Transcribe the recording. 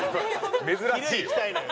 珍しいよ。